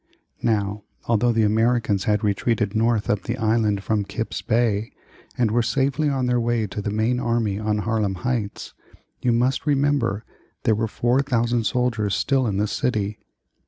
] Now although the Americans had retreated north up the island from Kip's Bay, and were safely on their way to the main army on Harlem Heights, you must remember there were 4,000 soldiers still in the city.